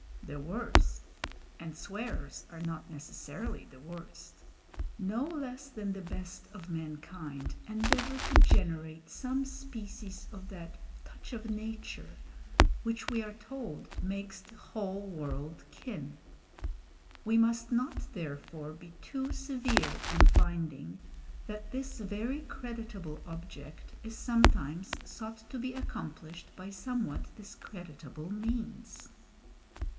The worst and swearers are not necessarily the worst no less than the best of mankind endeavour to generate some species of that "touch of nature" which we are told makes the whole world kin. We must not therefore be too severe on finding that this very creditable object is sometimes sought to be accomplished by somewhat discreditable means.